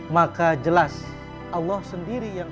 maka jelas allah sendiri yang